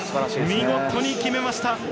見事に決めました！